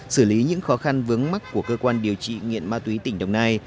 xử lý những khó khăn vướng mắt của cơ quan điều trị nghiện ma túy tỉnh đồng nai